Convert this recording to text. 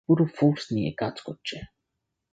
পুরো ফোর্স এ নিয়ে কাজ করছে।